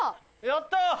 やった！